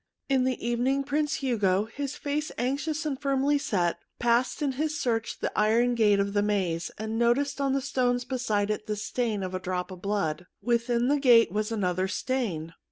In the evening Prince Hugo, his face anxious and firmly set, passed in his search the iron gate of the maze, and noticed on the stones beside it the stain of a drop of blood. Within the gate was another stain.